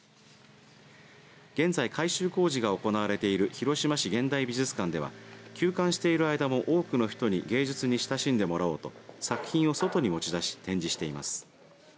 現在、改修工事が行われている広島市現代美術館では休館している間も多くの人に芸術に親しんでもらおうと作品を外に持ち出し展示しています。